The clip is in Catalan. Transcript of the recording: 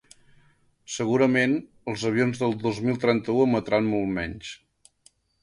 Segurament, els avions del dos mil trenta-u emetran molt menys.